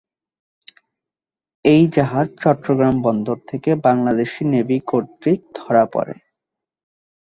এই জাহাজ চট্টগ্রাম বন্দর থেকে বাংলাদেশি নেভি কর্তৃক ধরা পড়ে।